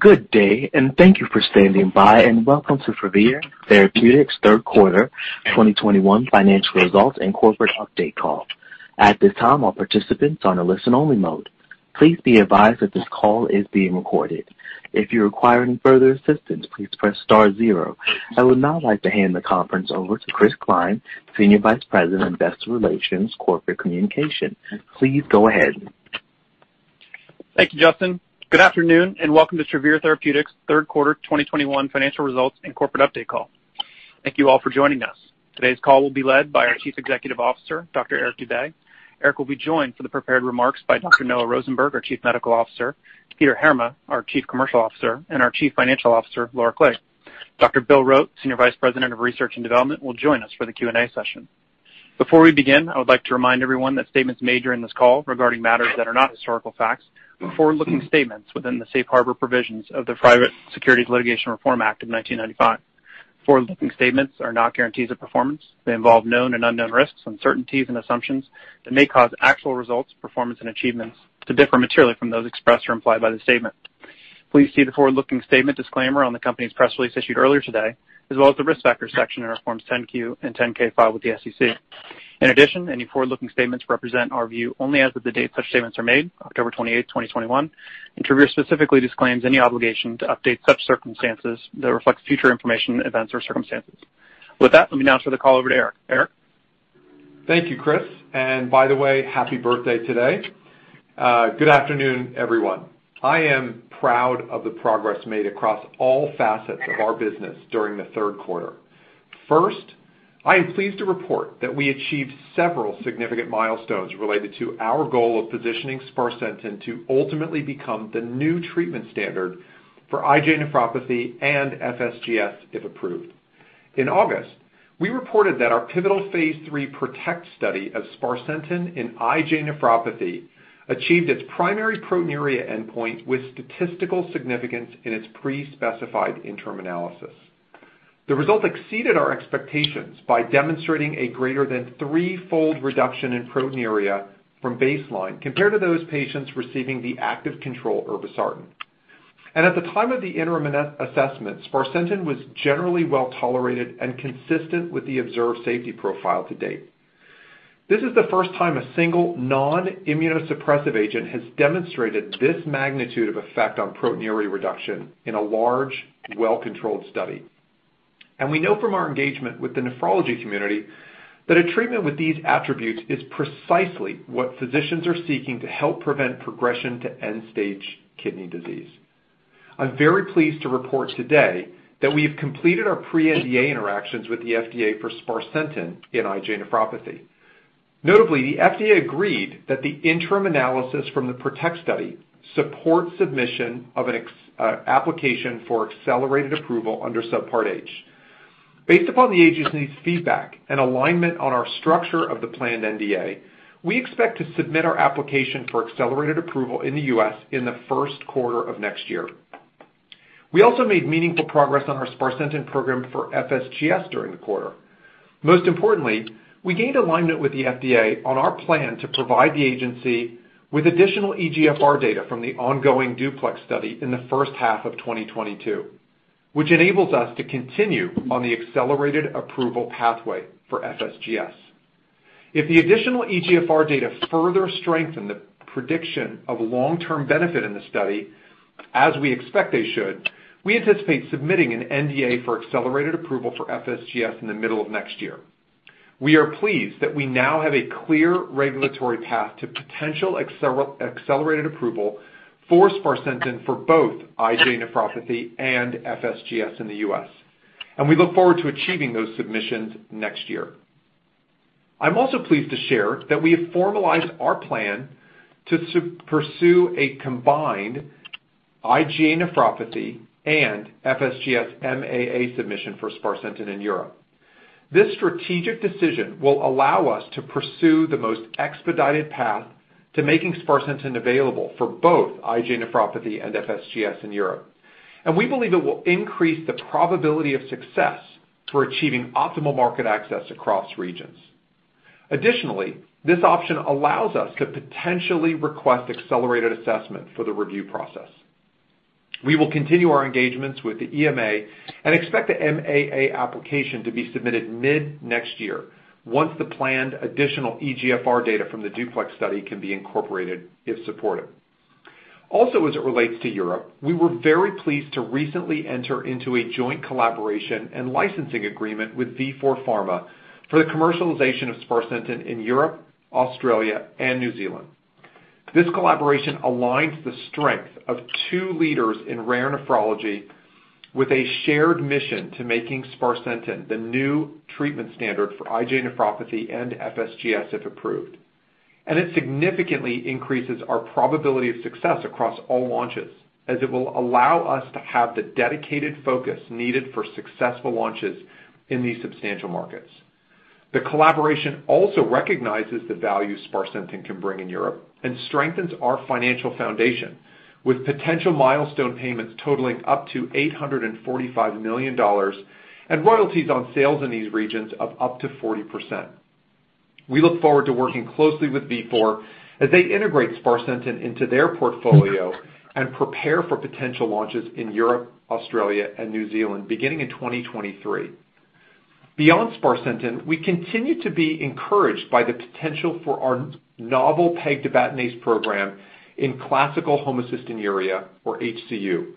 Good day, and thank you for standing by, and welcome to Travere Therapeutics third quarter 2021 financial results and corporate update call. At this time, all participants are on a listen-only mode. Please be advised that this call is being recorded. If you require any further assistance, please press star zero. I would now like to hand the conference over to Chris Cline, Senior Vice President of Investor Relations & Corporate Communications. Please go ahead. Thank you, Justin. Good afternoon and welcome to Travere Therapeutics third quarter 2021 financial results and corporate update call. Thank you all for joining us. Today's call will be led by our Chief Executive Officer, Dr. Eric Dube. Eric will be joined for the prepared remarks by Dr. Noah Rosenberg, our Chief Medical Officer, Peter Heerma, our Chief Commercial Officer, and our Chief Financial Officer, Laura Clague. Dr. Bill Rote, Senior Vice President of Research and Development, will join us for the Q&A session. Before we begin, I would like to remind everyone that statements made during this call regarding matters that are not historical facts are forward-looking statements within the Safe Harbor Provisions of the Private Securities Litigation Reform Act of 1995. Forward-looking statements are not guarantees of performance. They involve known and unknown risks, uncertainties, and assumptions that may cause actual results, performance, and achievements to differ materially from those expressed or implied by the statement. Please see the forward-looking statement disclaimer on the company's press release issued earlier today, as well as the Risk Factors section in our forms 10-Q and 10-K filed with the SEC. In addition, any forward-looking statements represent our view only as of the date such statements are made, October 28, 2021, and Travere specifically disclaims any obligation to update such circumstances that reflect future information, events, or circumstances. With that, let me now turn the call over to Eric. Eric? Thank you, Chris. By the way, happy birthday today. Good afternoon, everyone. I am proud of the progress made across all facets of our business during the third quarter. First, I am pleased to report that we achieved several significant milestones related to our goal of positioning sparsentan to ultimately become the new treatment standard for IgA nephropathy and FSGS, if approved. In August, we reported that our pivotal phase III PROTECT study of sparsentan in IgA nephropathy achieved its primary proteinuria endpoint with statistical significance in its pre-specified interim analysis. The result exceeded our expectations by demonstrating a greater than threefold reduction in proteinuria from baseline compared to those patients receiving the active control irbesartan. At the time of the interim analysis, sparsentan was generally well-tolerated and consistent with the observed safety profile to date. This is the first time a single non-immunosuppressive agent has demonstrated this magnitude of effect on proteinuria reduction in a large, well-controlled study. We know from our engagement with the nephrology community that a treatment with these attributes is precisely what physicians are seeking to help prevent progression to end-stage kidney disease. I'm very pleased to report today that we have completed our pre-NDA interactions with the FDA for sparsentan in IgA nephropathy. Notably, the FDA agreed that the interim analysis from the PROTECT study supports submission of an application for accelerated approval under Subpart H. Based upon the agency's feedback and alignment on our structure of the planned NDA, we expect to submit our application for accelerated approval in the U.S. in the first quarter of next year. We also made meaningful progress on our sparsentan program for FSGS during the quarter. Most importantly, we gained alignment with the FDA on our plan to provide the agency with additional eGFR data from the ongoing DUPLEX study in the first half of 2022, which enables us to continue on the accelerated approval pathway for FSGS. If the additional eGFR data further strengthen the prediction of long-term benefit in the study, as we expect they should, we anticipate submitting an NDA for accelerated approval for FSGS in the middle of next year. We are pleased that we now have a clear regulatory path to potential accelerated approval for sparsentan for both IgA nephropathy and FSGS in the U.S., and we look forward to achieving those submissions next year. I'm also pleased to share that we have formalized our plan to pursue a combined IgA nephropathy and FSGS MAA submission for sparsentan in Europe. This strategic decision will allow us to pursue the most expedited path to making sparsentan available for both IgA nephropathy and FSGS in Europe, and we believe it will increase the probability of success for achieving optimal market access across regions. Additionally, this option allows us to potentially request accelerated assessment for the review process. We will continue our engagements with the EMA and expect the MAA application to be submitted mid-next year once the planned additional eGFR data from the DUPLEX study can be incorporated if supported. Also, as it relates to Europe, we were very pleased to recently enter into a joint collaboration and licensing agreement with Vifor Pharma for the commercialization of sparsentan in Europe, Australia, and New Zealand. This collaboration aligns the strength of two leaders in rare nephrology with a shared mission to making sparsentan the new treatment standard for IgA nephropathy and FSGS, if approved. It significantly increases our probability of success across all launches as it will allow us to have the dedicated focus needed for successful launches in these substantial markets. The collaboration also recognizes the value sparsentan can bring in Europe and strengthens our financial foundation with potential milestone payments totaling up to $845 million and royalties on sales in these regions of up to 40%. We look forward to working closely with Vifor as they integrate sparsentan into their portfolio and prepare for potential launches in Europe, Australia, and New Zealand beginning in 2023. Beyond sparsentan, we continue to be encouraged by the potential for our novel pegtibatinase program in classical homocystinuria, or HCU.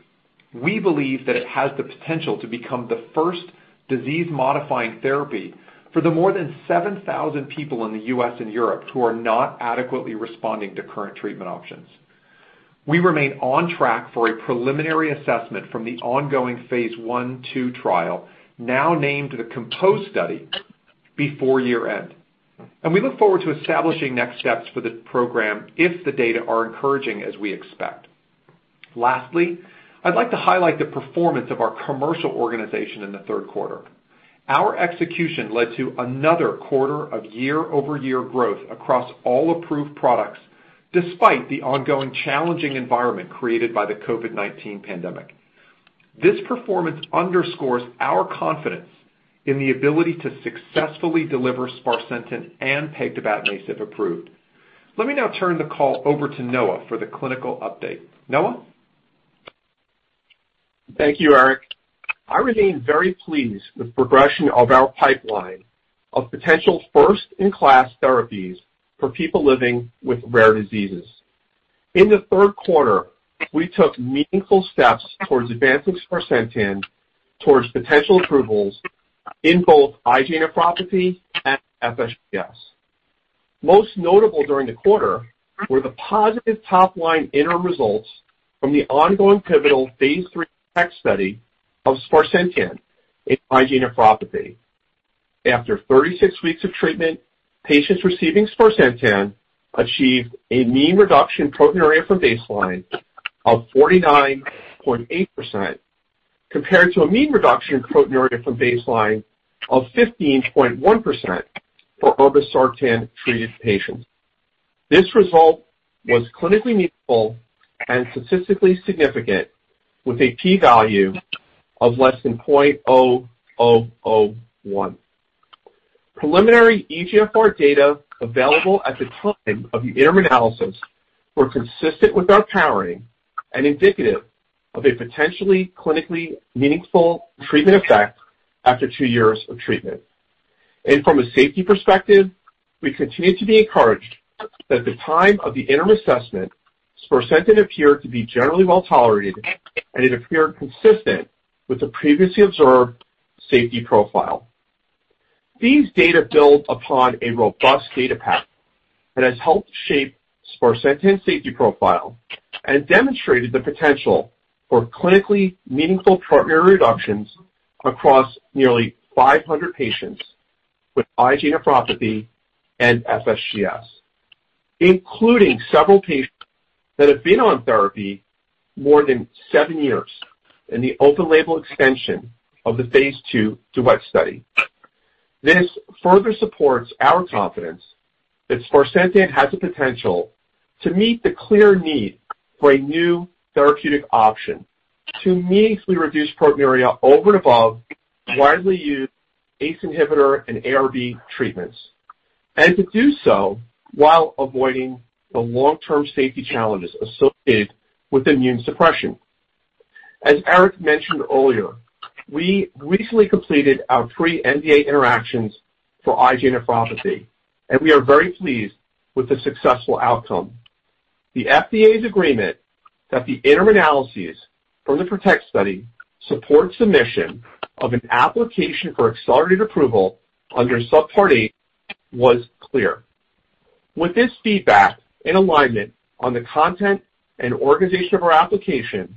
We believe that it has the potential to become the first disease-modifying therapy for the more than 7,000 people in the U.S. and Europe who are not adequately responding to current treatment options. We remain on track for a preliminary assessment from the ongoing phase I/II trial, now named the COMPOSE Study, before year-end. We look forward to establishing next steps for the program if the data are encouraging as we expect. Lastly, I'd like to highlight the performance of our commercial organization in the third quarter. Our execution led to another quarter of year-over-year growth across all approved products, despite the ongoing challenging environment created by the COVID-19 pandemic. This performance underscores our confidence in the ability to successfully deliver sparsentan and pegtibatinase if approved. Let me now turn the call over to Noah for the clinical update. Noah? Thank you, Eric. I remain very pleased with progression of our pipeline of potential first-in-class therapies for people living with rare diseases. In the third quarter, we took meaningful steps towards advancing sparsentan towards potential approvals in both IgA nephropathy and FSGS. Most notable during the quarter were the positive top-line interim results from the ongoing pivotal phase III PROTECT study of sparsentan in IgA nephropathy. After 36 weeks of treatment, patients receiving sparsentan achieved a mean reduction proteinuria from baseline of 49.8%, compared to a mean reduction proteinuria from baseline of 15.1% for irbesartan-treated patients. This result was clinically meaningful and statistically significant, with a P value of less than 0.001. Preliminary eGFR data available at the time of the interim analysis were consistent with our powering and indicative of a potentially clinically meaningful treatment effect after two years of treatment. From a safety perspective, we continue to be encouraged that the time of the interim assessment, sparsentan appeared to be generally well-tolerated, and it appeared consistent with the previously observed safety profile. These data build upon a robust data path that has helped shape sparsentan safety profile and demonstrated the potential for clinically meaningful proteinuria reductions across nearly 500 patients with IgA nephropathy and FSGS, including several patients that have been on therapy more than seven years in the open label extension of the phase II DUPLEX study. This further supports our confidence that sparsentan has the potential to meet the clear need for a new therapeutic option to meaningfully reduce proteinuria over and above widely used ACE inhibitor and ARB treatments, and to do so while avoiding the long-term safety challenges associated with immune suppression. As Eric mentioned earlier, we recently completed our pre-NDA interactions for IgA nephropathy, and we are very pleased with the successful outcome. The FDA's agreement that the interim analyses from the PROTECT study support submission of an application for accelerated approval under Subpart H was clear. With this feedback and alignment on the content and organization of our application,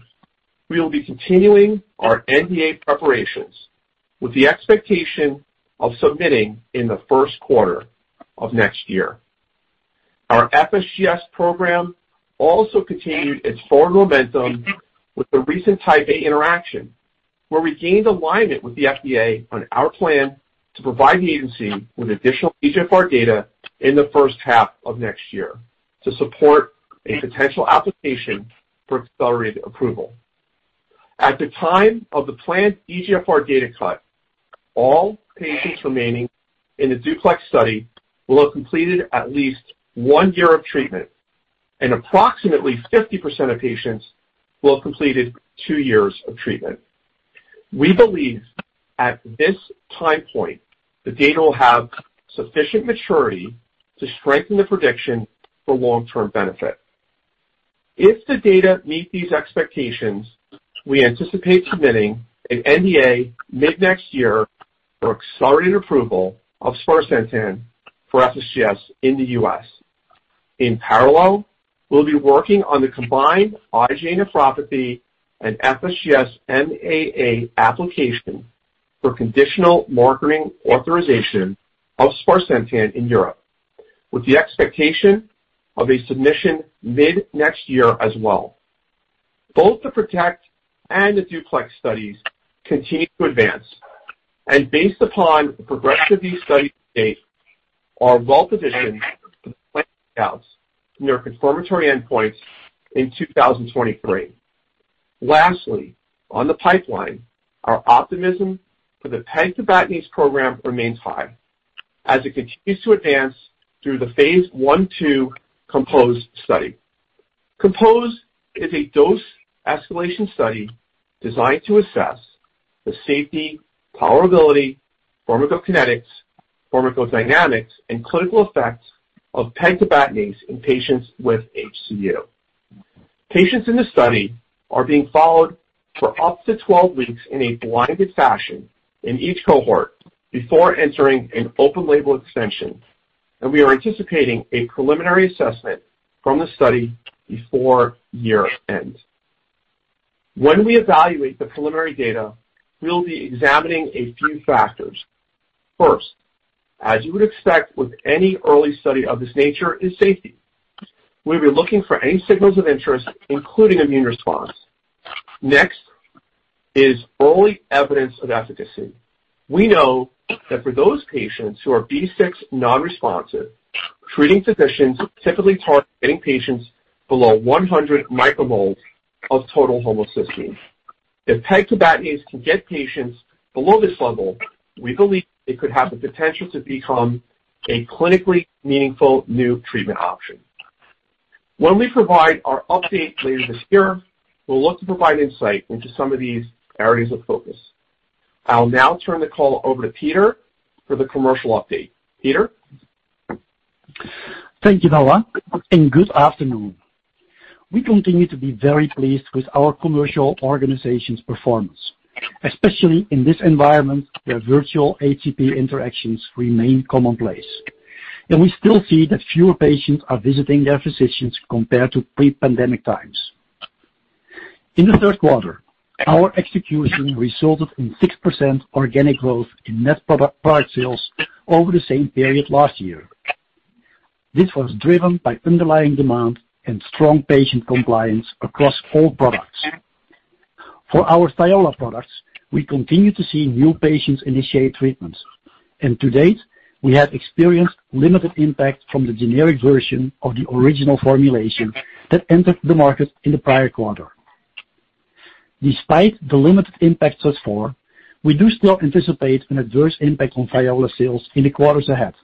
we will be continuing our NDA preparations with the expectation of submitting in the first quarter of next year. Our FSGS program also continued its forward momentum with the recent Type A interaction, where we gained alignment with the FDA on our plan to provide the agency with additional eGFR data in the first half of next year to support a potential application for accelerated approval. At the time of the planned eGFR data cut, all patients remaining in the DUPLEX study will have completed at least one year of treatment, and approximately 50% of patients will have completed two years of treatment. We believe at this time point, the data will have sufficient maturity to strengthen the prediction for long-term benefit. If the data meet these expectations, we anticipate submitting an NDA mid-next year for accelerated approval of sparsentan for FSGS in the U.S. In parallel, we'll be working on the combined IgA nephropathy and FSGS MAA application for conditional marketing authorization of sparsentan in Europe, with the expectation of a submission mid-next year as well. Both the PROTECT and the DUPLEX studies continue to advance. Based upon the progression of these studies to date, we're well positioned for confirmatory endpoints in 2023. Lastly, on the pipeline, our optimism for the pegtibatinase program remains high as it continues to advance through the phase I/II COMPOSE study. COMPOSE is a dose escalation study designed to assess the safety, tolerability, pharmacokinetics, pharmacodynamics, and clinical effects of pegtibatinase in patients with HCU. Patients in this study are being followed for up to 12 weeks in a blinded fashion in each cohort before entering an open label extension, and we are anticipating a preliminary assessment from the study before year end. When we evaluate the preliminary data, we'll be examining a few factors. First, as you would expect with any early study of this nature, is safety. We'll be looking for any signals of interest, including immune response. Next is early evidence of efficacy. We know that for those patients who are B6 non-responsive, treating physicians typically target getting patients below 100 micromoles of total homocysteine. If pegtibatinase can get patients below this level, we believe it could have the potential to become a clinically meaningful new treatment option. When we provide our update later this year, we'll look to provide insight into some of these areas of focus. I'll now turn the call over to Peter for the commercial update. Peter. Thank you, Noah, and good afternoon. We continue to be very pleased with our commercial organization's performance, especially in this environment where virtual HCP interactions remain commonplace, and we still see that fewer patients are visiting their physicians compared to pre-pandemic times. In the third quarter, our execution resulted in 6% organic growth in net product sales over the same period last year. This was driven by underlying demand and strong patient compliance across all products. For our Thiola products, we continue to see new patients initiate treatments, and to date, we have experienced limited impact from the generic version of the original formulation that entered the market in the prior quarter. Despite the limited impact thus far, we do still anticipate an adverse impact on Thiola sales in the quarters ahead.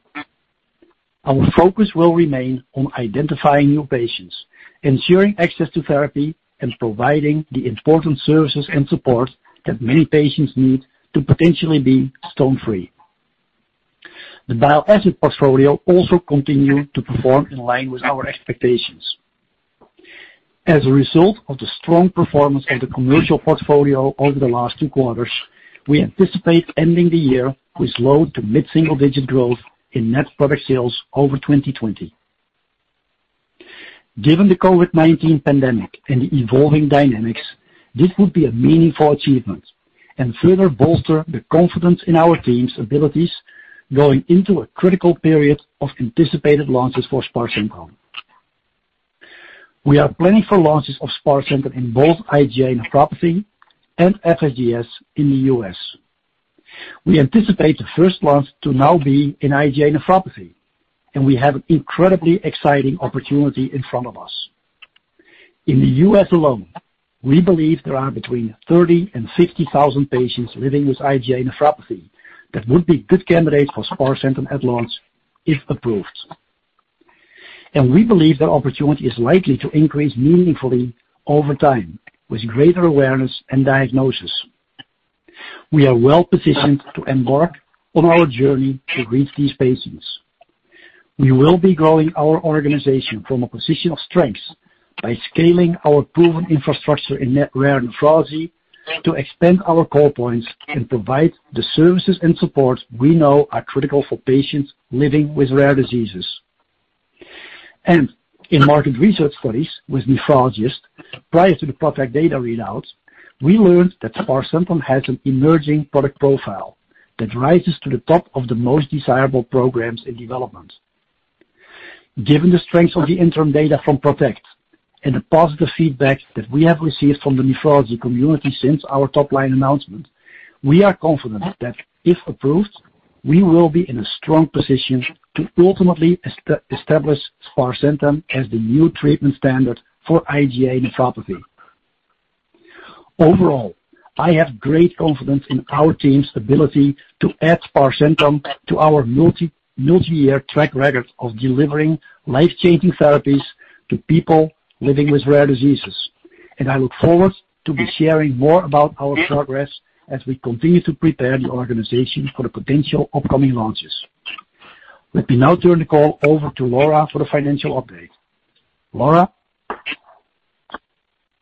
Our focus will remain on identifying new patients, ensuring access to therapy, and providing the important services and support that many patients need to potentially be stone-free. The bile acid portfolio also continued to perform in line with our expectations. As a result of the strong performance of the commercial portfolio over the last two quarters, we anticipate ending the year with low to mid-single digit growth in net product sales over 2020. Given the COVID-19 pandemic and the evolving dynamics, this would be a meaningful achievement and further bolster the confidence in our team's abilities going into a critical period of anticipated launches for sparsentan. We are planning for launches of sparsentan in both IgA nephropathy and FSGS in the U.S. We anticipate the first launch to now be in IgA nephropathy, and we have an incredibly exciting opportunity in front of us. In the U.S. alone, we believe there are between 30,000 and 50,000 patients living with IgA nephropathy that would be good candidates for sparsentan at launch if approved. We believe that opportunity is likely to increase meaningfully over time with greater awareness and diagnosis. We are well-positioned to embark on our journey to reach these patients. We will be growing our organization from a position of strength by scaling our proven infrastructure in rare nephrology to extend our call points and provide the services and support we know are critical for patients living with rare diseases. In market research studies with nephrologists prior to the PROTECT data readouts, we learned that sparsentan has an emerging product profile that rises to the top of the most desirable programs in development. Given the strength of the interim data from PROTECT and the positive feedback that we have received from the nephrology community since our top-line announcement, we are confident that, if approved, we will be in a strong position to ultimately establish sparsentan as the new treatment standard for IgA nephropathy. Overall, I have great confidence in our team's ability to add sparsentan to our multi-year track record of delivering life-changing therapies to people living with rare diseases. I look forward to be sharing more about our progress as we continue to prepare the organization for the potential upcoming launches. Let me now turn the call over to Laura for the financial update. Laura.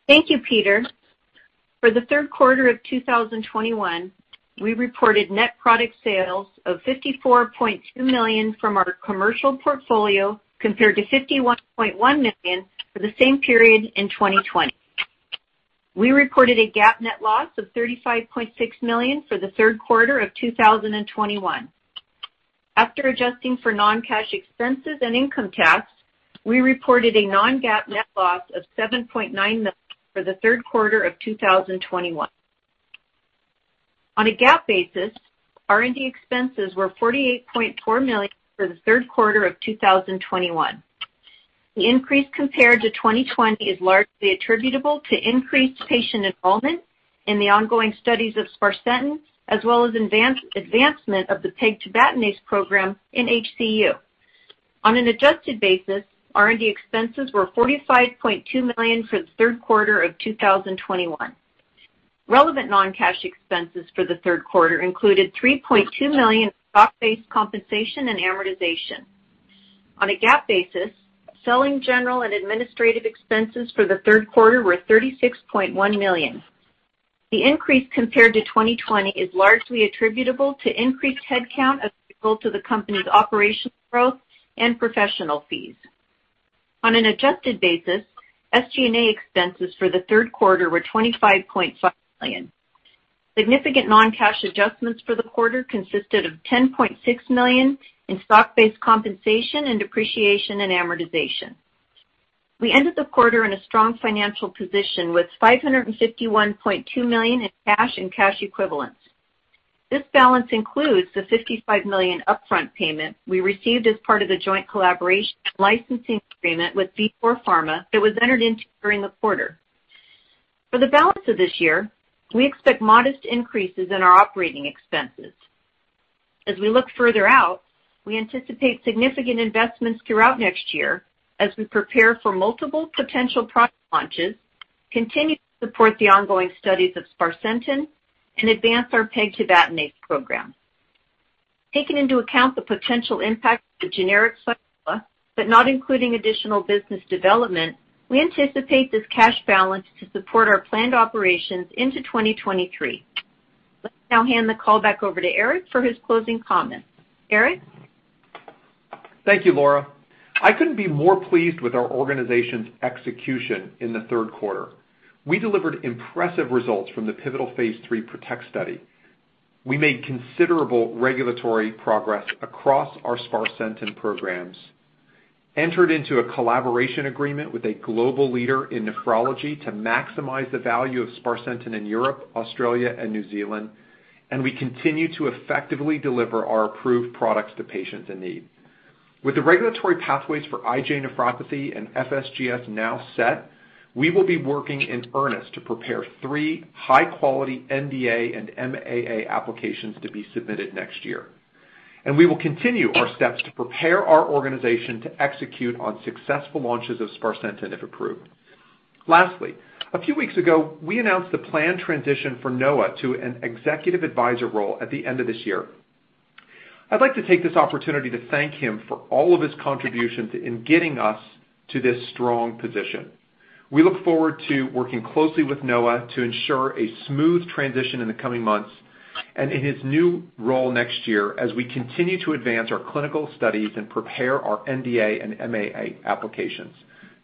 Thank you, Peter. For the third quarter of 2021, we reported net product sales of $54.2 million from our commercial portfolio, compared to $51.1 million for the same period in 2020. We reported a GAAP net loss of $35.6 million for the third quarter of 2021. After adjusting for non-cash expenses and income tax, we reported a non-GAAP net loss of $7.9 million for the third quarter of 2021. On a GAAP basis, R&D expenses were $48.4 million for the third quarter of 2021. The increase compared to 2020 is largely attributable to increased patient enrollment in the ongoing studies of sparsentan as well as advancement of the pegtibatinase program in HCU. On an adjusted basis, R&D expenses were $45.2 million for the third quarter of 2021. Relevant non-cash expenses for the third quarter included $3.2 million stock-based compensation and amortization. On a GAAP basis, selling, general, and administrative expenses for the third quarter were $36.1 million. The increase compared to 2020 is largely attributable to increased headcount applicable to the company's operational growth and professional fees. On an adjusted basis, SG&A expenses for the third quarter were $25.5 million. Significant non-cash adjustments for the quarter consisted of $10.6 million in stock-based compensation and depreciation and amortization. We ended the quarter in a strong financial position with $551.2 million in cash and cash equivalents. This balance includes the $55 million upfront payment we received as part of the joint collaboration and licensing agreement with Vifor Pharma that was entered into during the quarter. For the balance of this year, we expect modest increases in our operating expenses. As we look further out, we anticipate significant investments throughout next year as we prepare for multiple potential product launches, continue to support the ongoing studies of sparsentan, and advance our pegtibatinase program. Taking into account the potential impact of the generic but not including additional business development, we anticipate this cash balance to support our planned operations into 2023. Let's now hand the call back over to Eric for his closing comments. Eric? Thank you, Laura. I couldn't be more pleased with our organization's execution in the third quarter. We delivered impressive results from the pivotal phase III PROTECT study. We made considerable regulatory progress across our sparsentan programs, entered into a collaboration agreement with a global leader in nephrology to maximize the value of sparsentan in Europe, Australia, and New Zealand, and we continue to effectively deliver our approved products to patients in need. With the regulatory pathways for IgA nephropathy and FSGS now set, we will be working in earnest to prepare three high-quality NDA and MAA applications to be submitted next year. We will continue our steps to prepare our organization to execute on successful launches of sparsentan if approved. Lastly, a few weeks ago, we announced the planned transition for Noah to an executive advisor role at the end of this year. I'd like to take this opportunity to thank him for all of his contributions in getting us to this strong position. We look forward to working closely with Noah to ensure a smooth transition in the coming months and in his new role next year as we continue to advance our clinical studies and prepare our NDA and MAA applications.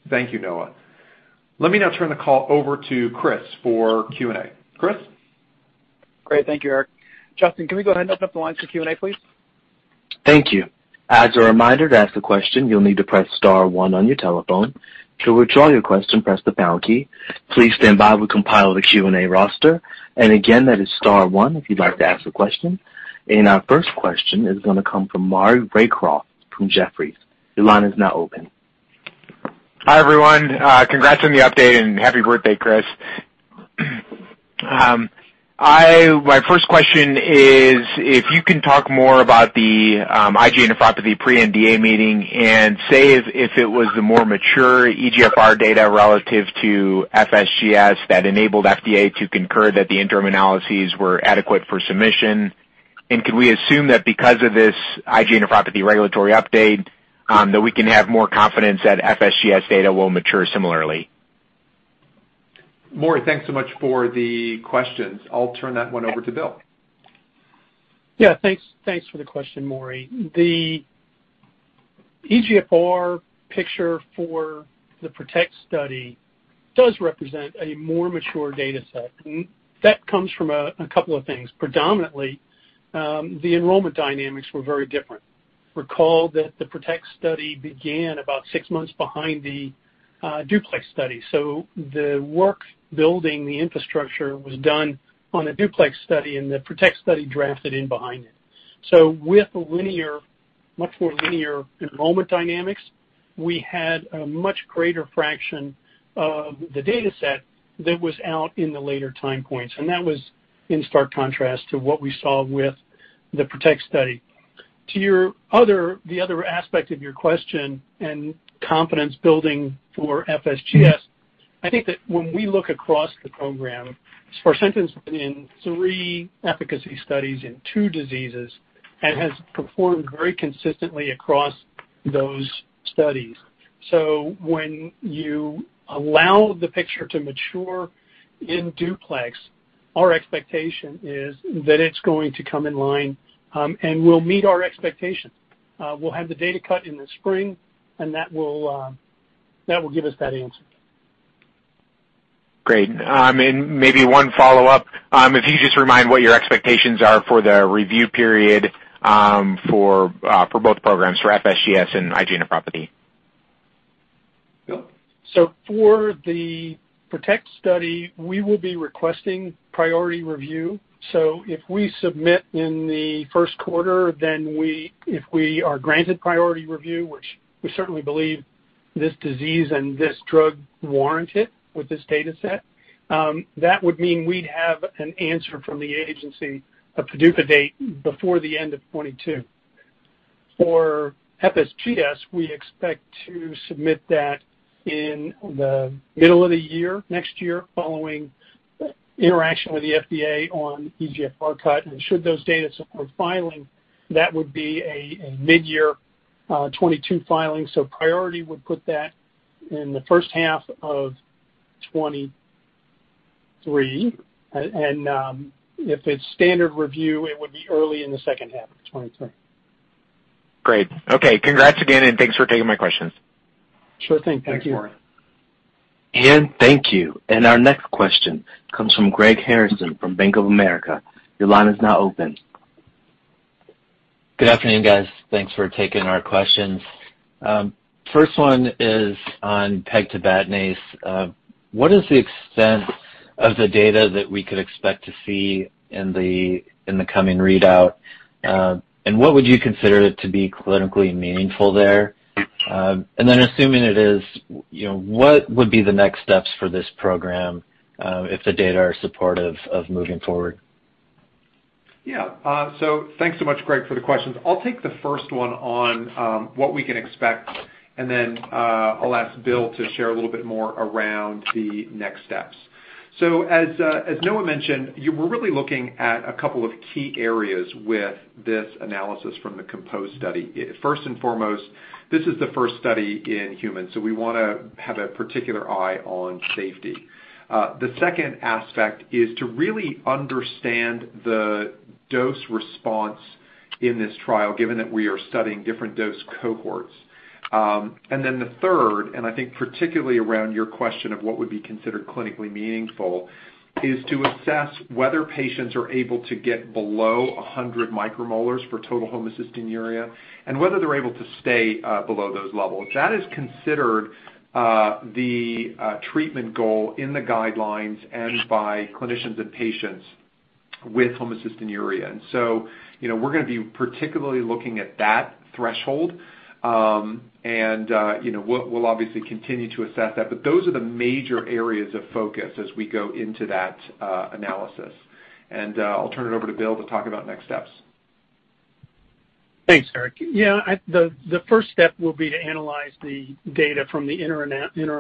Thank you, Noah. Let me now turn the call over to Chris for Q&A. Chris? Great. Thank you, Eric. Justin, can we go ahead and open up the line for Q&A, please? Thank you. As a reminder, to ask a question, you'll need to press star one on your telephone. To withdraw your question, press the pound key. Please stand by. We'll compile the Q&A roster. Again, that is star one if you'd like to ask a question. Our first question is gonna come from Maury Raycroft from Jefferies. Your line is now open. Hi, everyone. Congrats on the update, and happy birthday, Chris. My first question is if you can talk more about the IgA nephropathy pre-NDA meeting and say if it was the more mature eGFR data relative to FSGS that enabled FDA to concur that the interim analyses were adequate for submission. Could we assume that because of this IgA nephropathy regulatory update, that we can have more confidence that FSGS data will mature similarly? Maury, thanks so much for the questions. I'll turn that one over to Bill. Yeah. Thanks for the question, Maury. The eGFR picture for the PROTECT study does represent a more mature data set, and that comes from a couple of things. Predominantly, the enrollment dynamics were very different. Recall that the PROTECT study began about six months behind the DUPLEX study. The work building the infrastructure was done on the DUPLEX study, and the PROTECT study drafted in behind it. With much more linear enrollment dynamics, we had a much greater fraction of the data set that was out in the later time points, and that was in stark contrast to what we saw with the PROTECT study. To the other aspect of your question and confidence building for FSGS, I think that when we look across the program, sparsentan's been in three efficacy studies in two diseases and has performed very consistently across those studies. When you allow the picture to mature in DUPLEX, our expectation is that it's going to come in line and will meet our expectations. We'll have the data cut in the spring, and that will give us that answer. Great. Maybe one follow-up. If you could just remind what your expectations are for the review period, for both programs, for FSGS and IgA nephropathy. Bill? For the PROTECT study, we will be requesting priority review. If we submit in the first quarter, if we are granted priority review, which we certainly believe this disease and this drug warrant it with this data set, that would mean we'd have an answer from the agency, a PDUFA date before the end of 2022. For FSGS, we expect to submit that in the middle of the year next year following interaction with the FDA on eGFR cut. Should those data support filing, that would be a midyear 2022 filing. Priority would put that in the first half of 2023. If it's standard review, it would be early in the second half of 2023. Great. Okay. Congrats again, and thanks for taking my questions. Sure thing. Thank you. Thanks, Maury Raycroft. Thank you. Our next question comes from Greg Harrison from Bank of America. Your line is now open. Good afternoon, guys. Thanks for taking our questions. First one is on pegtibatinase. What is the extent of the data that we could expect to see in the coming readout? What would you consider it to be clinically meaningful there? Assuming it is, you know, what would be the next steps for this program, if the data are supportive of moving forward? Thanks so much, Greg, for the questions. I'll take the first one on what we can expect, and then I'll ask Bill to share a little bit more around the next steps. As Noah mentioned, you were really looking at a couple of key areas with this analysis from the COMPOSE study. First and foremost, this is the first study in humans, so we wanna have a particular eye on safety. The second aspect is to really understand the dose response in this trial, given that we are studying different dose cohorts. The third, and I think particularly around your question of what would be considered clinically meaningful, is to assess whether patients are able to get below 100 micromolar for total homocysteine and whether they're able to stay below those levels. That is considered the treatment goal in the guidelines and by clinicians and patients with homocystinuria. You know, we're gonna be particularly looking at that threshold, and you know, we'll obviously continue to assess that. Those are the major areas of focus as we go into that analysis. I'll turn it over to Bill to talk about next steps. Thanks, Eric. Yeah, the first step will be to analyze the data from the interim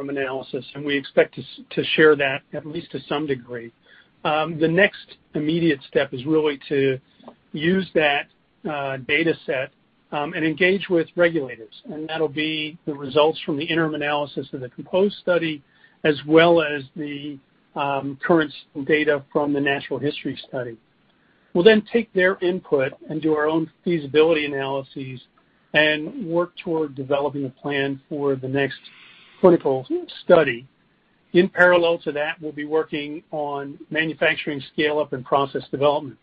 analysis, and we expect to share that at least to some degree. The next immediate step is really to use that data set and engage with regulators. That'll be the results from the interim analysis of the COMPOSE study as well as the current data from the natural history study. We'll then take their input and do our own feasibility analyses and work toward developing a plan for the next clinical study. In parallel to that, we'll be working on manufacturing scale-up and process development.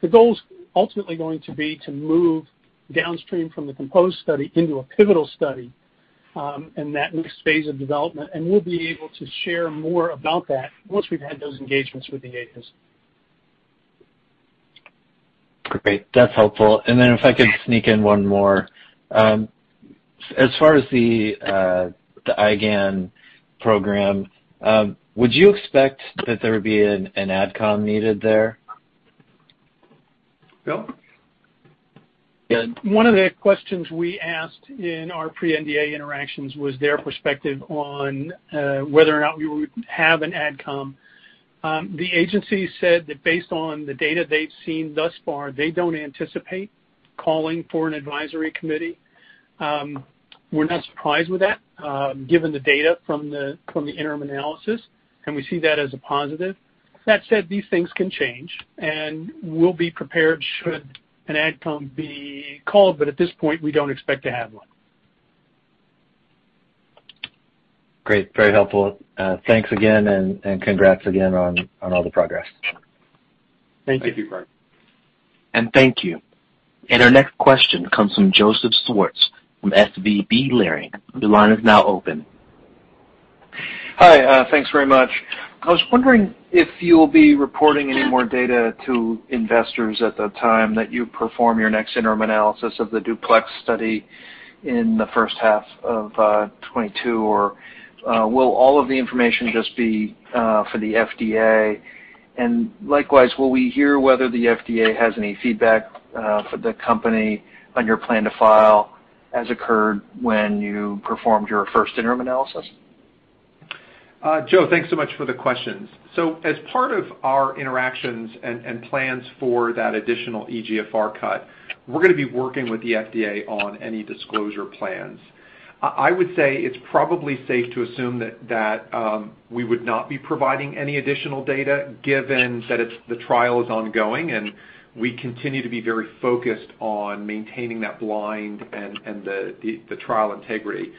The goal is ultimately going to be to move downstream from the COMPOSE study into a pivotal study, in that next phase of development, and we'll be able to share more about that once we've had those engagements with the agents. Great. That's helpful. If I could sneak in one more. As far as the IgAN program, would you expect that there would be an adcom needed there? Bill? Yeah. One of the questions we asked in our pre-NDA interactions was their perspective on whether or not we would have an ad com. The agency said that based on the data they've seen thus far, they don't anticipate calling for an advisory committee. We're not surprised with that, given the data from the interim analysis, and we see that as a positive. That said, these things can change, and we'll be prepared should an ad com be called, but at this point, we don't expect to have one. Great. Very helpful. Thanks again, and congrats again on all the progress. Thank you. Thank you, Greg. Thank you. Our next question comes from Joseph Schwartz from SVB Leerink. Your line is now open. Hi. Thanks very much. I was wondering if you'll be reporting any more data to investors at the time that you perform your next interim analysis of the DUPLEX study in the first half of 2022, or will all of the information just be for the FDA? Likewise, will we hear whether the FDA has any feedback for the company on your plan to file as occurred when you performed your first interim analysis? Joe, thanks so much for the questions. As part of our interactions and plans for that additional eGFR cut, we're gonna be working with the FDA on any disclosure plans. I would say it's probably safe to assume that we would not be providing any additional data given that the trial is ongoing, and we continue to be very focused on maintaining that blind and the trial integrity.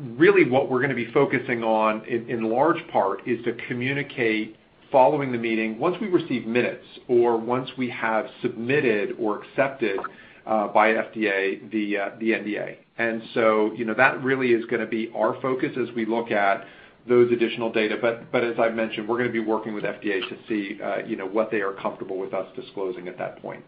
Really what we're gonna be focusing on in large part is to communicate following the meeting once we receive minutes or once we have submitted or accepted by FDA, the NDA. You know, that really is gonna be our focus as we look at those additional data. as I've mentioned, we're gonna be working with FDA to see, you know, what they are comfortable with us disclosing at that point.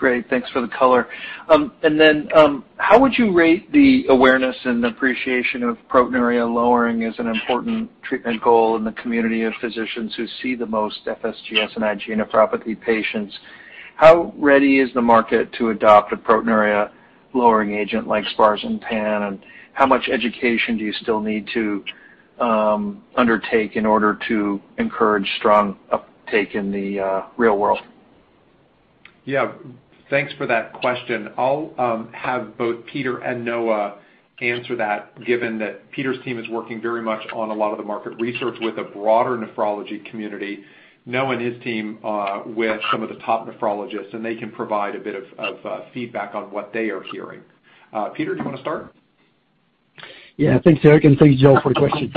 Great, thanks for the color. How would you rate the awareness and appreciation of proteinuria lowering as an important treatment goal in the community of physicians who see the most FSGS and IgA nephropathy patients? How ready is the market to adopt a proteinuria lowering agent like sparsentan, and how much education do you still need to undertake in order to encourage strong uptake in the real world? Yeah. Thanks for that question. I'll have both Peter and Noah answer that, given that Peter's team is working very much on a lot of the market research with the broader nephrology community. Noah and his team, with some of the top nephrologists, and they can provide a bit of feedback on what they are hearing. Peter, do you wanna start? Yeah. Thanks, Eric, and thank you, Joe, for the question.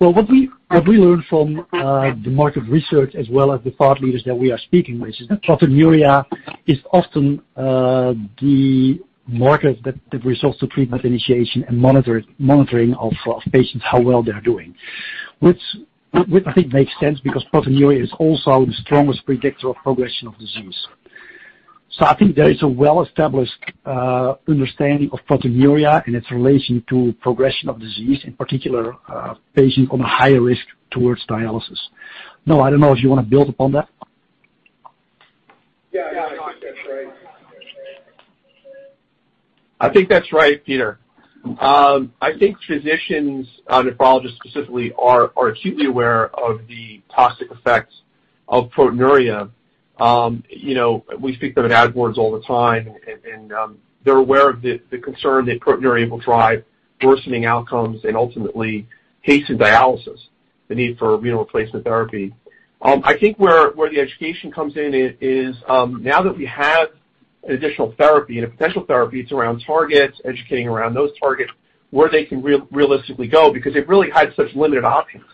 Well, what we learned from the market research as well as the thought leaders that we are speaking with is that proteinuria is often the marker that results to treatment initiation and monitoring of patients, how well they're doing. Which I think makes sense because proteinuria is also the strongest predictor of progression of disease. I think there is a well-established understanding of proteinuria and its relation to progression of disease, in particular, patient on a higher risk towards dialysis. Noah, I don't know if you wanna build upon that. Yeah. I think that's right, Peter. I think physicians, nephrologists specifically, are acutely aware of the toxic effects of proteinuria. You know, we speak to them at ad boards all the time and they're aware of the concern that proteinuria will drive worsening outcomes and ultimately hasten dialysis, the need for renal replacement therapy. I think where the education comes in is now that we have additional therapy and a potential therapy, it's around targets, educating around those targets, where they can realistically go because they've really had such limited options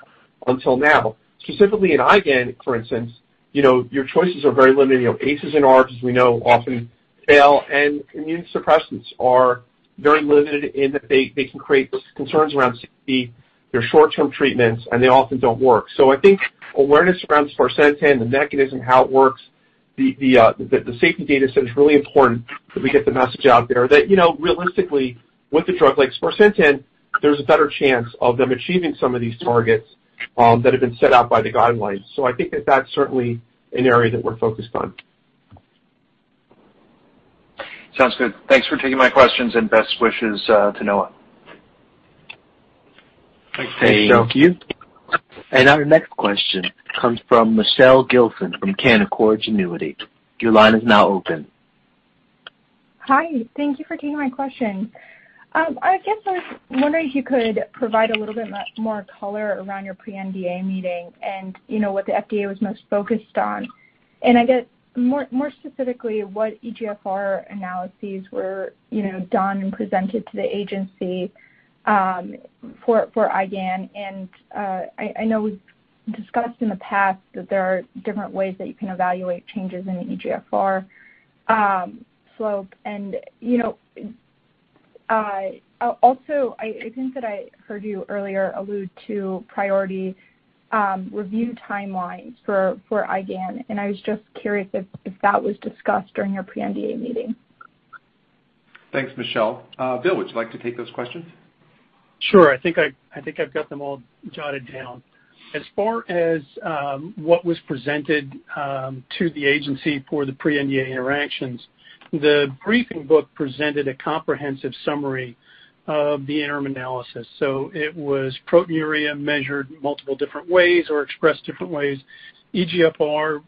until now. Specifically in IgAN, for instance, you know, your choices are very limited. You know, ACEIs and ARBs, as we know, often fail, and immune suppressants are very limited in that they can create concerns around CP, they're short-term treatments, and they often don't work. I think awareness around sparsentan, the mechanism, how it works, the safety data set is really important that we get the message out there that, you know, realistically, with a drug like sparsentan, there's a better chance of them achieving some of these targets, that have been set out by the guidelines. I think that that's certainly an area that we're focused on. Sounds good. Thanks for taking my questions, and best wishes to Noah. Thanks. Thanks, Joe. Thank you. Our next question comes from Michelle Gilson from Canaccord Genuity. Your line is now open. Hi. Thank you for taking my question. I guess I was wondering if you could provide a little bit more color around your pre-NDA meeting and, you know, what the FDA was most focused on. I guess more specifically, what eGFR analyses were, you know, done and presented to the agency, for IgAN. I know we've discussed in the past that there are different ways that you can evaluate changes in the eGFR slope. You know, also, I think that I heard you earlier allude to priority review timelines for IgAN, and I was just curious if that was discussed during your pre-NDA meeting. Thanks, Michelle. Bill, would you like to take those questions? Sure. I think I've got them all jotted down. As far as what was presented to the agency for the pre-NDA interactions, the briefing book presented a comprehensive summary of the interim analysis. It was proteinuria measured multiple different ways or expressed different ways, eGFR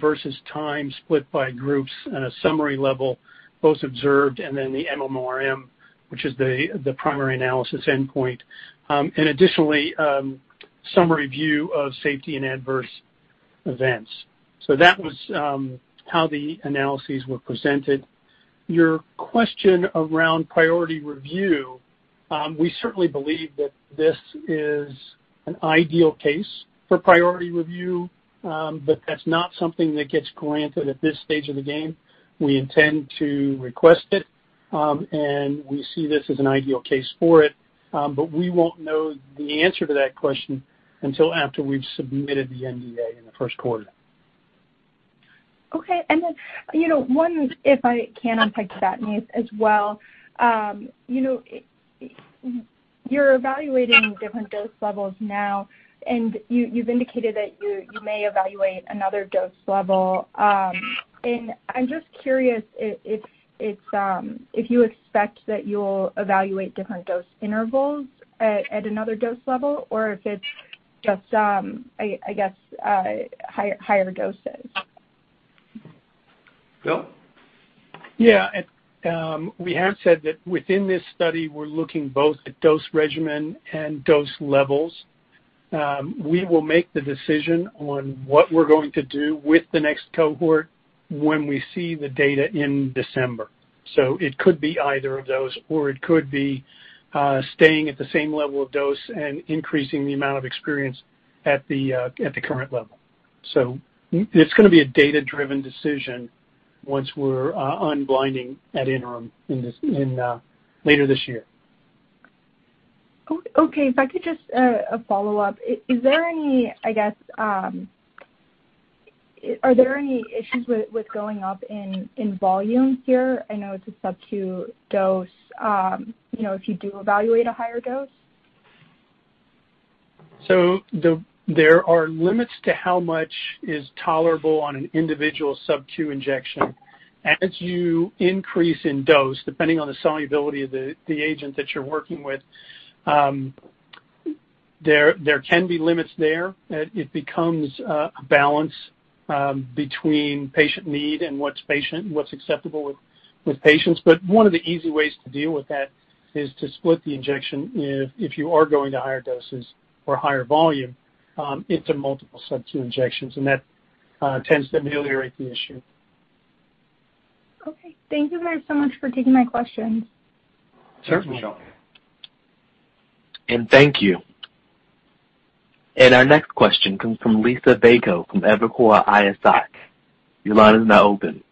versus time split by groups at a summary level, both observed and then the MMRM, which is the primary analysis endpoint. Additionally, summary view of safety and adverse events. That was how the analyses were presented. Your question around priority review, we certainly believe that this is an ideal case for priority review, but that's not something that gets granted at this stage of the game. We intend to request it, and we see this as an ideal case for it. We won't know the answer to that question until after we've submitted the NDA in the first quarter. Okay. You know, one, if I can on pegtibatinase as well. You know, you're evaluating different dose levels now, and you've indicated that you may evaluate another dose level. I'm just curious if you expect that you'll evaluate different dose intervals at another dose level or if it's just higher doses. Bill? Yeah. We have said that within this study, we're looking both at dose regimen and dose levels. We will make the decision on what we're going to do with the next cohort when we see the data in December. It could be either of those, or it could be staying at the same level of dose and increasing the amount of experience at the current level. It's gonna be a data-driven decision once we're unblinding that interim in later this year. Okay. If I could just a follow-up. Is there any, I guess, are there any issues with going up in volume here? I know it's a sub Q dose, you know, if you do evaluate a higher dose. There are limits to how much is tolerable on an individual sub Q injection. As you increase in dose, depending on the solubility of the agent that you're working with, there can be limits there. It becomes a balance between patient need and what's acceptable with patients. One of the easy ways to deal with that is to split the injection if you are going to higher doses or higher volume into multiple sub Q injections, and that tends to ameliorate the issue. Okay. Thank you guys so much for taking my questions. Certainly. Thank you. Our next question comes from Liisa Bayko from Evercore ISI. Your line is now open.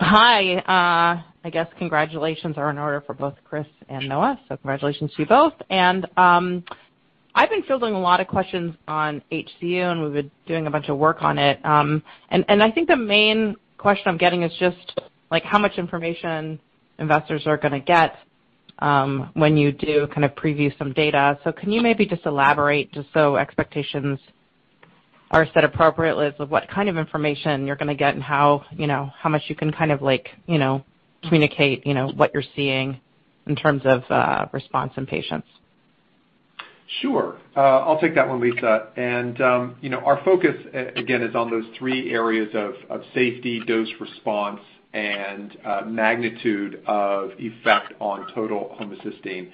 Hi. I guess congratulations are in order for both Chris and Noah. Congratulations to you both. I've been fielding a lot of questions on HCU, and we've been doing a bunch of work on it. I think the main question I'm getting is just, like, how much information investors are gonna get, when you do kind of preview some data. Can you maybe just elaborate just so expectations are set appropriately of what kind of information you're gonna get and how, you know, how much you can kind of like, you know, communicate, you know, what you're seeing in terms of, response in patients? Sure. I'll take that one, Liisa. You know, our focus again is on those three areas of safety, dose response and magnitude of effect on total homocysteine.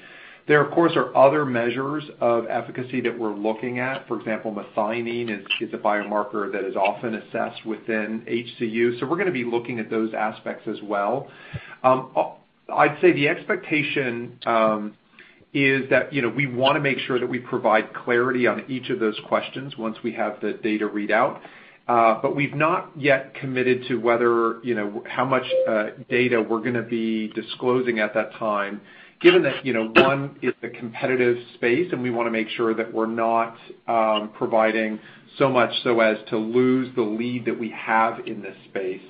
There, of course, are other measures of efficacy that we're looking at. For example, methionine is a biomarker that is often assessed within HCU. So we're gonna be looking at those aspects as well. I'd say the expectation is that you know, we wanna make sure that we provide clarity on each of those questions once we have the data readout. But we've not yet committed to whether you know, how much data we're gonna be disclosing at that time, given that you know, one, it's a competitive space, and we wanna make sure that we're not providing so much so as to lose the lead that we have in this space.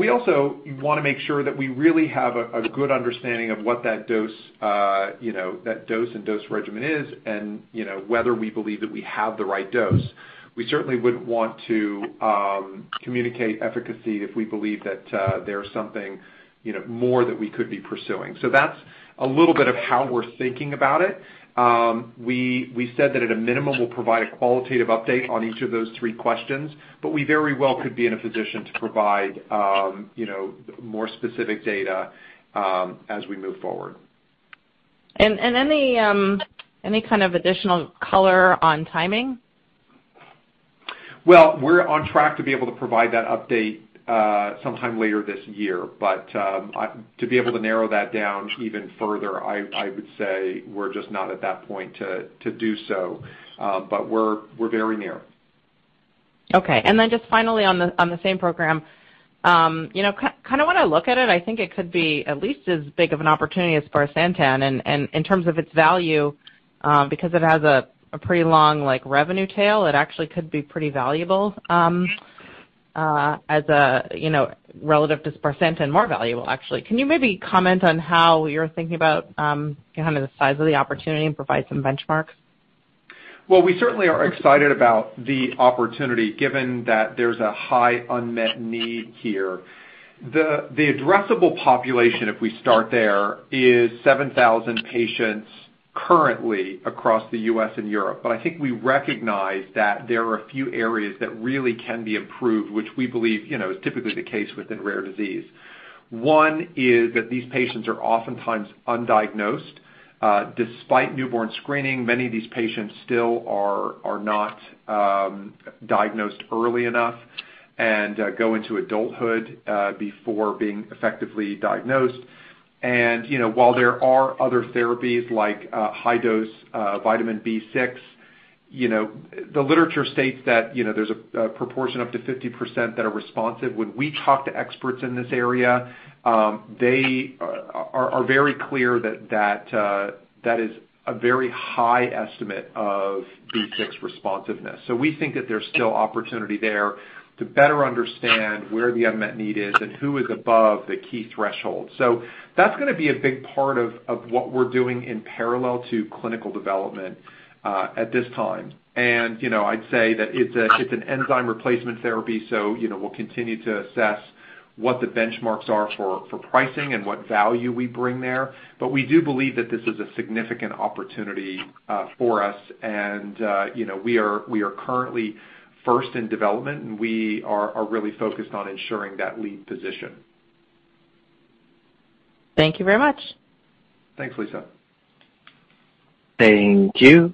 We also wanna make sure that we really have a good understanding of what that dose, you know, that dose and dose regimen is and, you know, whether we believe that we have the right dose. We certainly wouldn't want to communicate efficacy if we believe that there's something, you know, more that we could be pursuing. That's a little bit of how we're thinking about it. We said that at a minimum, we'll provide a qualitative update on each of those three questions, but we very well could be in a position to provide, you know, more specific data as we move forward. Any kind of additional color on timing? Well, we're on track to be able to provide that update sometime later this year. To be able to narrow that down even further, I would say we're just not at that point to do so. We're very near. Okay. Just finally on the same program, kinda when I look at it, I think it could be at least as big of an opportunity as sparsentan. In terms of its value, because it has a pretty long like revenue tail, it actually could be pretty valuable, as, you know, relative to sparsentan, more valuable actually. Can you maybe comment on how you're thinking about kind of the size of the opportunity and provide some benchmarks? Well, we certainly are excited about the opportunity given that there's a high unmet need here. The addressable population, if we start there, is 7,000 patients currently across the U.S. and Europe. I think we recognize that there are a few areas that really can be improved, which we believe, you know, is typically the case within rare disease. One is that these patients are oftentimes undiagnosed. Despite newborn screening, many of these patients still are not diagnosed early enough and go into adulthood before being effectively diagnosed. You know, while there are other therapies like high dose vitamin B6, you know, the literature states that, you know, there's a proportion up to 50% that are responsive. When we talk to experts in this area, they are very clear that that is a very high estimate of B6 responsiveness. We think that there's still opportunity there to better understand where the unmet need is and who is above the key threshold. That's gonna be a big part of what we're doing in parallel to clinical development at this time. You know, I'd say that it's an enzyme replacement therapy, so you know, we'll continue to assess what the benchmarks are for pricing and what value we bring there. We do believe that this is a significant opportunity for us, and you know, we are currently first in development, and we are really focused on ensuring that lead position. Thank you very much. Thanks, Lisa. Thank you.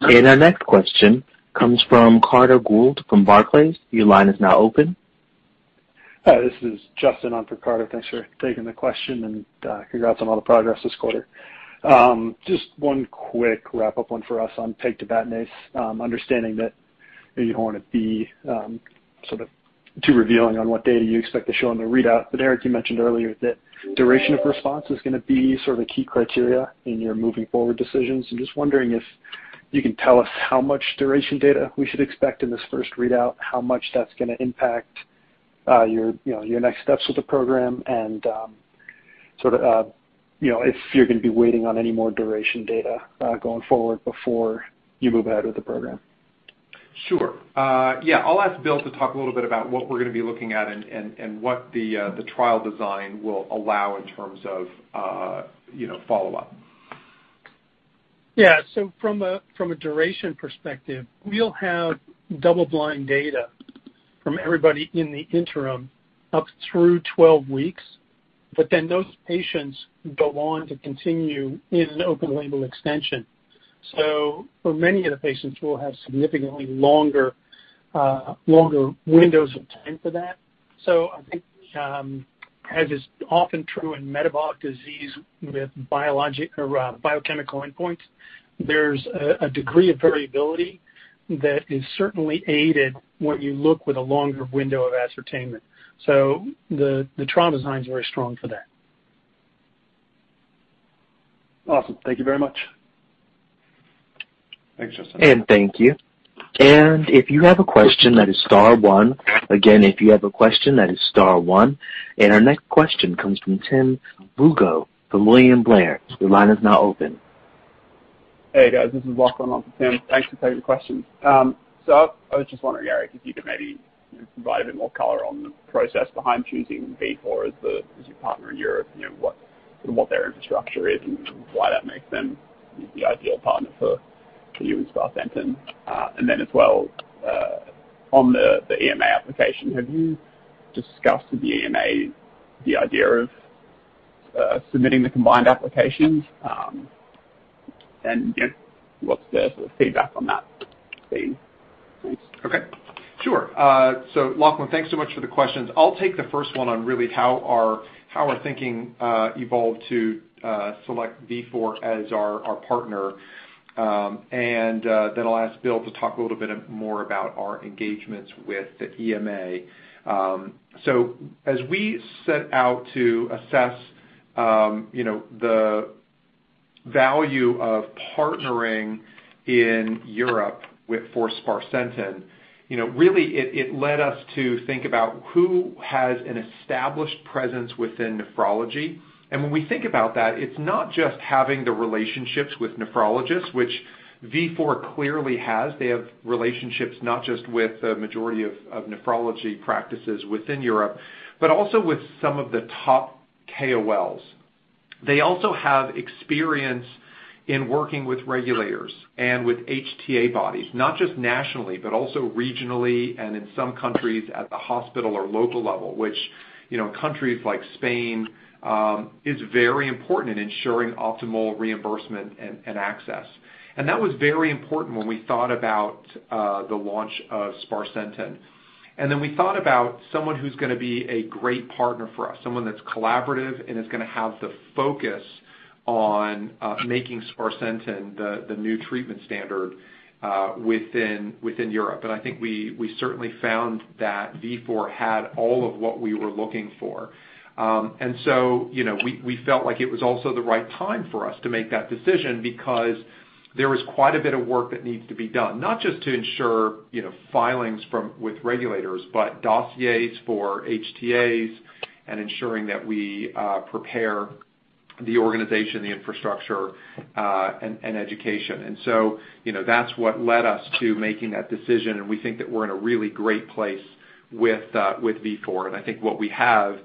Our next question comes from Carter Gould from Barclays. Your line is now open. Hi, this is Justin on for Carter. Thanks for taking the question and congrats on all the progress this quarter. Just one quick wrap-up one for us on pegtibatinase, understanding that you don't want to be sort of too revealing on what data you expect to show on the readout. Eric, you mentioned earlier that duration of response is gonna be sort of a key criteria in your moving forward decisions. I'm just wondering if you can tell us how much duration data we should expect in this first readout, how much that's gonna impact your you know your next steps with the program and sort of you know if you're gonna be waiting on any more duration data going forward before you move ahead with the program. Sure. Yeah. I'll ask Bill to talk a little bit about what we're gonna be looking at and what the trial design will allow in terms of, you know, follow-up. Yeah. From a duration perspective, we'll have double-blind data from everybody in the interim up through 12 weeks, but then those patients go on to continue in an open-label extension. For many of the patients, we'll have significantly longer windows of time for that. I think, as is often true in metabolic disease with biologic or biochemical endpoints, there's a degree of variability that is certainly aided when you look with a longer window of ascertainment. The trial design is very strong for that. Awesome. Thank you very much. Thanks, Justin. Thank you. If you have a question, that is star one. Again, if you have a question, that is star one. Our next question comes from Tim Lugo from William Blair. Your line is now open. Hey, guys. This is Lachlan on for Tim. Thanks for taking the question. So I was just wondering, Eric, if you could maybe provide a bit more color on the process behind choosing Vifor as your partner in Europe. You know, what their infrastructure is and why that makes them the ideal partner for you in sparsentan. And then as well, on the EMA application, have you discussed with the EMA the idea of submitting the combined applications? And, you know, what's the sort of feedback on that been? Thanks. Okay. Sure. Lachlan, thanks so much for the questions. I'll take the first one on really how our thinking evolved to select Vifor as our partner. Then I'll ask Bill to talk a little bit more about our engagements with the EMA. As we set out to assess you know the value of partnering in Europe for sparsentan, you know, really it led us to think about who has an established presence within nephrology. When we think about that, it's not just having the relationships with nephrologists, which Vifor clearly has. They have relationships not just with the majority of nephrology practices within Europe, but also with some of the top KOLs. They also have experience in working with regulators and with HTA bodies, not just nationally, but also regionally and in some countries at the hospital or local level, which, you know, countries like Spain is very important in ensuring optimal reimbursement and access. That was very important when we thought about the launch of sparsentan. Then we thought about someone who's gonna be a great partner for us, someone that's collaborative and is gonna have the focus on making sparsentan the new treatment standard within Europe. I think we certainly found that Vifor had all of what we were looking for. You know, we felt like it was also the right time for us to make that decision because there is quite a bit of work that needs to be done, not just to ensure, you know, filings with regulators, but dossiers for HTAs and ensuring that we prepare the organization, the infrastructure, and education. That's what led us to making that decision, and we think that we're in a really great place with Vifor. I think what we have,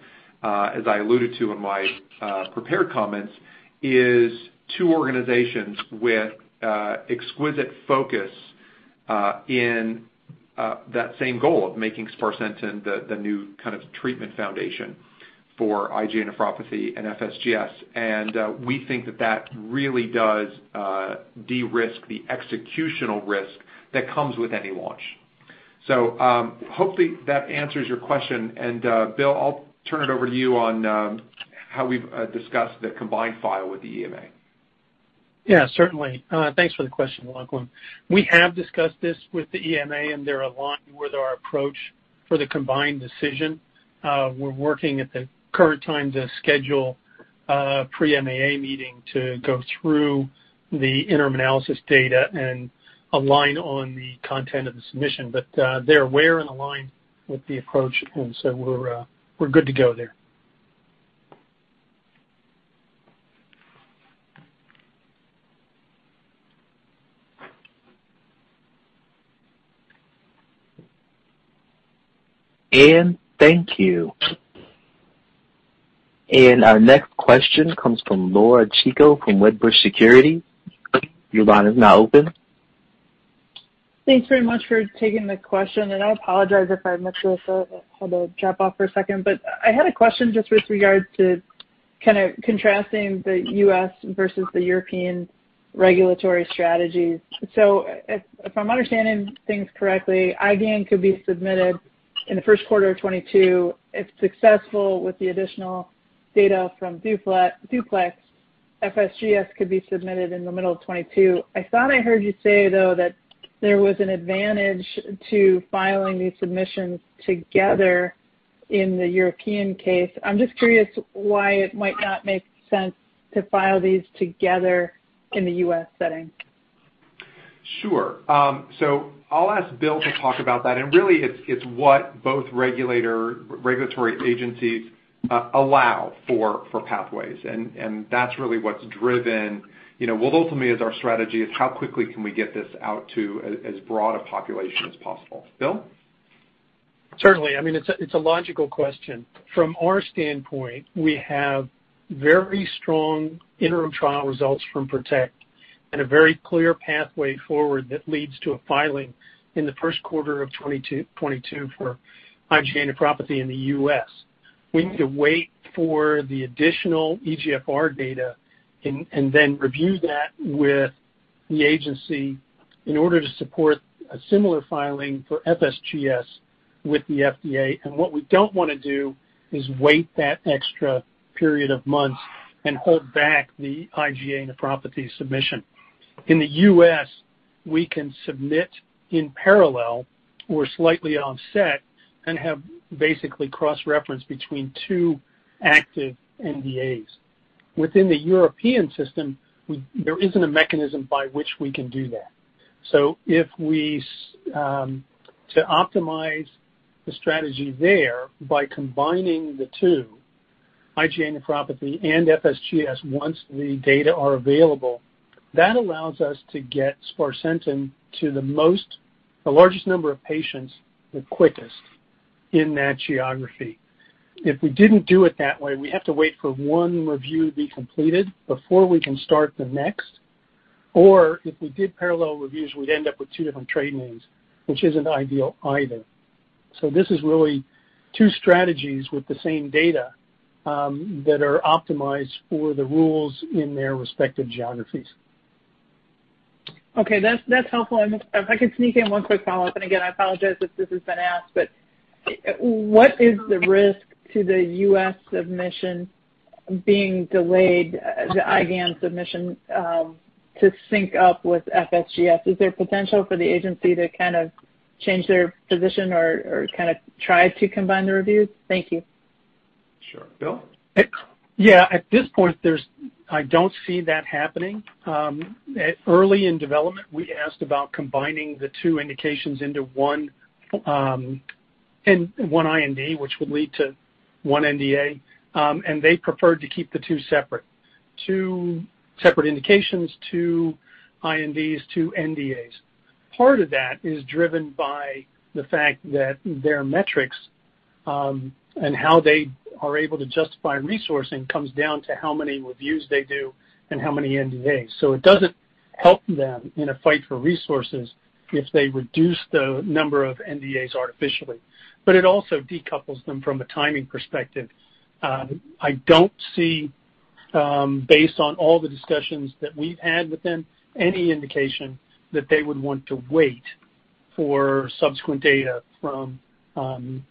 as I alluded to in my prepared comments, is two organizations with exquisite focus in that same goal of making sparsentan the new kind of treatment foundation for IgA nephropathy and FSGS. We think that really does de-risk the executional risk that comes with any launch. Hopefully that answers your question. Bill, I'll turn it over to you on how we've discussed the combined file with the EMA. Yeah, certainly. Thanks for the question, Lachlan. We have discussed this with the EMA, and they're aligned with our approach for the combined decision. We're working at the current time to schedule a pre-MAA meeting to go through the interim analysis data and align on the content of the submission. They're aware and aligned with the approach, and so we're good to go there. Thank you. Our next question comes from Laura Chico from Wedbush Securities. Your line is now open. Thanks very much for taking the question, and I apologize if I missed this. I had to drop off for a second. I had a question just with regard to kinda contrasting the U.S. versus the European regulatory strategies. If I'm understanding things correctly, IgAN could be submitted in the first quarter of 2022 if successful with the additional data from DUPLEX. FSGS could be submitted in the middle of 2022. I thought I heard you say, though, that there was an advantage to filing these submissions together in the European case. I'm just curious why it might not make sense to file these together in the U.S. setting. Sure. I'll ask Bill to talk about that. Really, it's what both regulatory agencies allow for pathways. That's really what's driven. You know, well, ultimately, it's our strategy is how quickly can we get this out to as broad a population as possible. Bill? Certainly. I mean, it's a logical question. From our standpoint, we have very strong interim trial results from PROTECT and a very clear pathway forward that leads to a filing in the first quarter of 2022 for IgA nephropathy in the U.S. We need to wait for the additional eGFR data and then review that with the agency in order to support a similar filing for FSGS with the FDA. What we don't wanna do is wait that extra period of months and hold back the IgA nephropathy submission. In the U.S., we can submit in parallel or slightly offset and have basically cross-reference between two active NDAs. Within the European system, we, there isn't a mechanism by which we can do that. To optimize the strategy there by combining the two, IgA nephropathy and FSGS, once the data are available, that allows us to get sparsentan to the largest number of patients the quickest in that geography. If we didn't do it that way, we have to wait for one review to be completed before we can start the next. Or if we did parallel reviews, we'd end up with two different trade names, which isn't ideal either. This is really two strategies with the same data that are optimized for the rules in their respective geographies. Okay, that's helpful. If I could sneak in one quick follow-up, and again, I apologize if this has been asked, but what is the risk to the U.S. submission being delayed, the IgAN submission, to sync up with FSGS? Is there potential for the agency to kind of change their position or kinda try to combine the reviews? Thank you. Sure. Bill? Yeah. At this point, I don't see that happening. Early in development, we asked about combining the two indications into one, in one IND, which would lead to one NDA, and they preferred to keep the two separate. Two separate indications, two INDs, two NDAs. Part of that is driven by the fact that their metrics, and how they are able to justify resourcing comes down to how many reviews they do and how many NDAs. It doesn't help them in a fight for resources if they reduce the number of NDAs artificially. It also decouples them from a timing perspective. I don't see, based on all the discussions that we've had with them, any indication that they would want to wait for subsequent data from the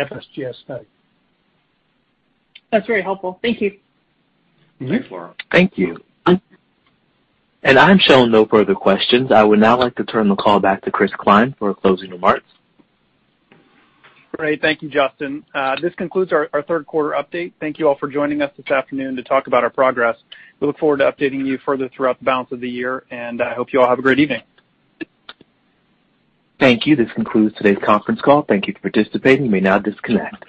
FSGS study. That's very helpful. Thank you. Thank you, Laura. Thank you. I'm showing no further questions. I would now like to turn the call back to Chris Cline for closing remarks. Great. Thank you, Justin. This concludes our third quarter update. Thank you all for joining us this afternoon to talk about our progress. We look forward to updating you further throughout the balance of the year, and I hope you all have a great evening. Thank you. This concludes today's conference call. Thank you for participating. You may now disconnect.